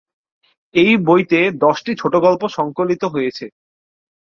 এই বইতে দশটি ছোটোগল্প সংকলিত হয়েছে।